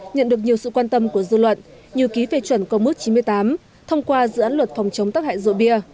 nhận được nhiều sự quan tâm của dư luận như ký phê chuẩn công mức chín mươi tám thông qua dự án luật phòng chống tắc hại rượu bia